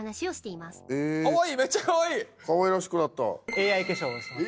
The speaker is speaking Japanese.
ＡＩ化粧をしてます。